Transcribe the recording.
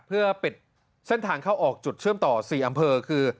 เพื่อปิดเส้นทางเข้าออกจุดเชื่อมต่อ๔อำเภอคือ